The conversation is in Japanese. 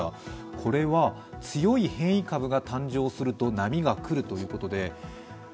これは強い変異株が誕生すると波が来るということで？